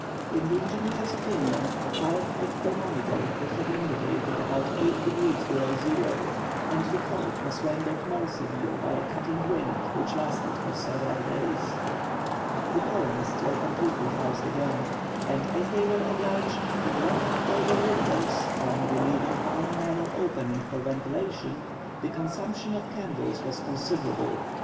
In the engineer's opinion, a Fahrenheit thermometer would have indicated about eight degrees below zero, and the cold was rendered more severe by a cutting wind which lasted for several days. The colonists were completely housed again, and as they were obliged to block up all their windows, only leaving one narrow opening for ventilation, the consumption of candles was considerable.